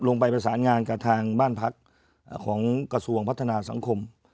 ไปประสานงานกับทางบ้านพักของกระทรวงพัฒนาสังคม